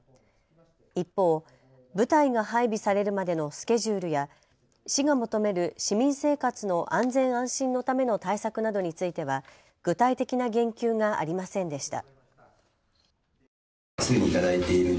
一方、部隊が配備されるまでのスケジュールや市が求める市民生活の安全・安心のための対策などについては具体的な言及がありませんでした。